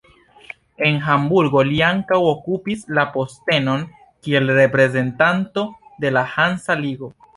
En Hamburgo li ankaŭ okupis la postenon kiel reprezentanto de la Hansa ligo.